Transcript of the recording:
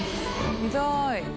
見たい！